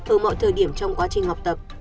ở mọi thời điểm trong quá trình học tập